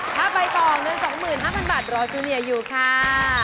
ถ้าใบตองเงิน๒๕๐๐บาทรอจูเนียอยู่ค่ะ